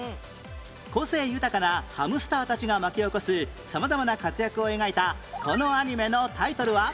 個性豊かなハムスターたちが巻き起こす様々な活躍を描いたこのアニメのタイトルは？